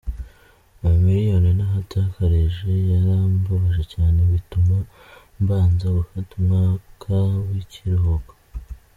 Amamiliyoni nahatakarije yarambabaje cyane bituma mbanza gufata umwaka w’ikiruhuko.